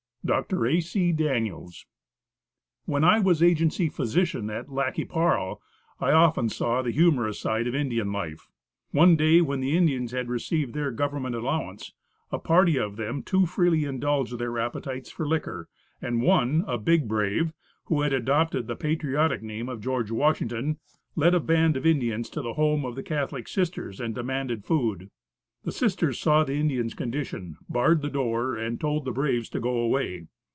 Dr. A. C. Daniels. When I was agency physician at Lac qui Parle, I often saw the humorous side of Indian life. One day when the Indians had received their government allowance, a party of them too freely indulged their appetites for liquor; and one, a big brave, who had adopted the patriotic name of George Washington, led a band of Indians to the home of the Catholic sisters, and demanded food. The sisters saw the Indians' condition, barred the door, and told the braves to go away.